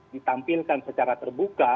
ditampilkan secara terbuka